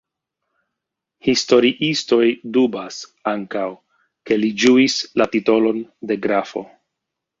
Historiistoj dubas ankaŭ ke li ĝuis la titolon de grafo.